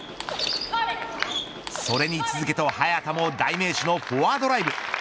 それに続けと、早田も代名詞のフォアドライブ。